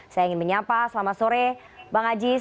saya ingin menyapa selamat sore bang aziz